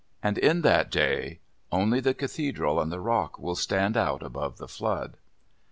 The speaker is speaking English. And in that day only the Cathedral and the Rock will stand out above the flood.